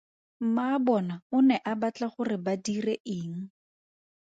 Mmaabona o ne a batla gore ba dire eng?